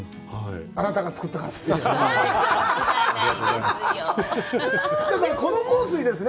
あなたが作ったからですよ。